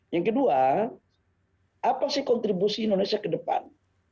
yang kedua apa sih kontribusi indonesia ke depan